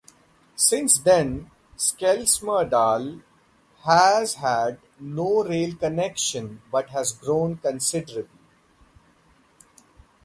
Since then Skelmersdale has had no rail connection but has grown considerably.